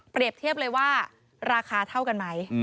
เทียบเลยว่าราคาเท่ากันไหม